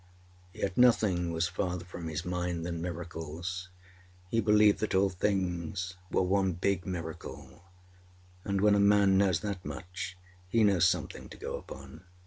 Yet nothing was farther from his mind than miracles. He believed that all things were one big Miracle, and when a man knows that much he knows something to go upon.